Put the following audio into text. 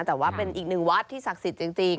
แต่ว่าเป็นอีกหนึ่งวัดที่ศักดิ์สิทธิ์จริง